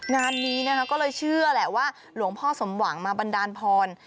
งานนี้นะคะก็เลยเชื่อแหละว่าหลวงพ่อสมหวังมาบันดาลพร